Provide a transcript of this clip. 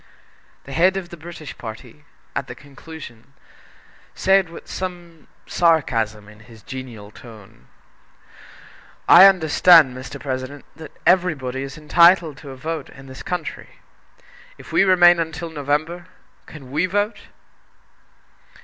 The head of the British party, at the conclusion, said with some sarcasm in his genial tone: "I understand, Mr. President, that everybody is entitled to a vote in this country. If we remain until November, can we vote?"